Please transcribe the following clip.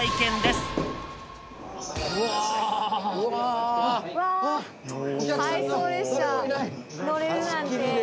すごい。